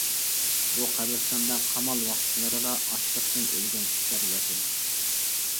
بۇ قەبرىستاندا قامال ۋاقىتلىرىدا ئاچلىقتىن ئۆلگەن كىشىلەر ياتىدۇ.